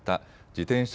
自転車